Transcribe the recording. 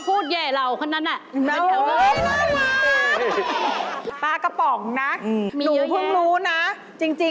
ซื้อปลากระป๋องหน่อยสิจ๊ะ